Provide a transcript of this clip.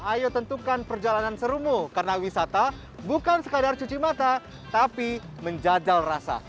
ayo tentukan perjalanan serumu karena wisata bukan sekadar cuci mata tapi menjajal rasa